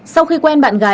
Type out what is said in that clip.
sau khi quen bạn gái